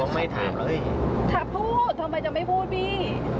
พูดทำไมจะไม่พูดพี่